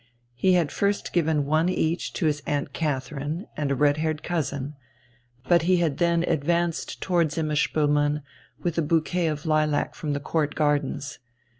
He had first given one each to his Aunt Catherine and a red haired cousin; but he had then advanced towards Imma Spoelmann with a bouquet of lilac from the Court gardens.